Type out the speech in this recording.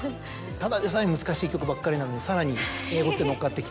ただでさえ難しい曲ばかりなのにさらに英語って乗っかってきて。